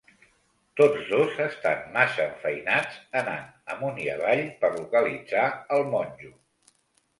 Tots dos estan massa enfeinats anant amunt i avall per localitzar el monjo.